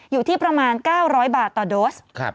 อยู่ที่ประมาณ๙๐๐บาทต่อโดส